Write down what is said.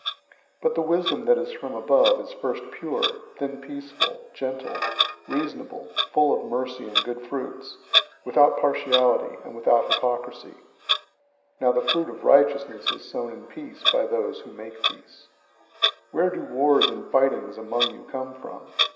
003:017 But the wisdom that is from above is first pure, then peaceful, gentle, reasonable, full of mercy and good fruits, without partiality, and without hypocrisy. 003:018 Now the fruit of righteousness is sown in peace by those who make peace. 004:001 Where do wars and fightings among you come from?